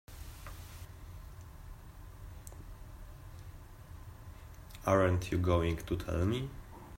Aren't you going to tell me?